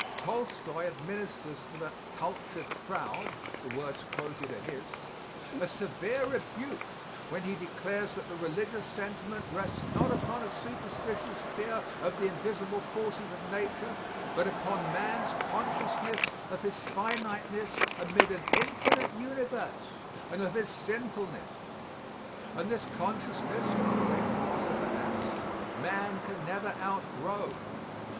Tolstoy administers to the "cultured crowd" (the words quoted are his) a severe rebuke when he declares that the religious sentiment rests not upon a superstitious fear of the invisible forces of nature, but upon man's consciousness of his finiteness amid an infinite universe and of his sinfulness; and this consciousness, the great philosopher adds, man can never outgrow.